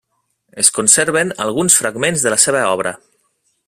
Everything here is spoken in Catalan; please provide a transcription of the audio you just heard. Es conserven alguns fragments de la seva obra.